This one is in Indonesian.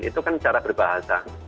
itu kan cara berbahasa